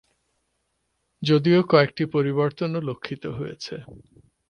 যদিও কয়েকটি পরিবর্তনও লক্ষিত হয়েছে।